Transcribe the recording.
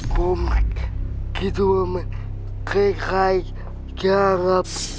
ผมคิดว่ามันคล้ายโจรับ